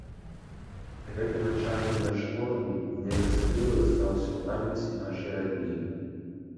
Гэты начальнік над школамі неяк асабліва застаўся ў памяці нашай радні.